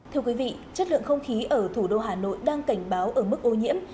thưa quý vị chất lượng không khí ở thủ đô hà nội đang cảnh báo ở mức ô nhiễm